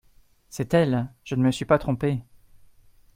C’est elle ! je ne me suis pas trompé !